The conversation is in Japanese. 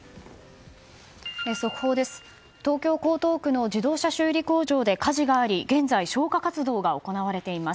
速報です。